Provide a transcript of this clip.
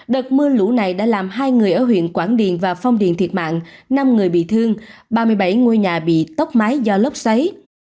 đợt mưa lũ này đã làm hai người ở huyện quảng điền và phong điền thiệt mạng năm người bị thương ba mươi bảy ngôi nhà bị tốc máy do lốc xoáy